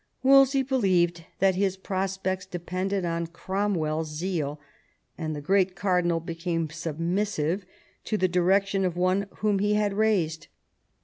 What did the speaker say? Wolsey believed that his prospects depended on Gromwell's zeal, and the great cardinal became sub missive to the direction of one whom he had raised.